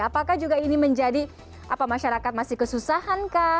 apakah juga ini menjadi apa masyarakat masih kesusahan kah